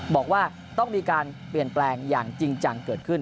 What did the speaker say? บอกว่าต้องมีการเปลี่ยนแปลงอย่างจริงจังเกิดขึ้น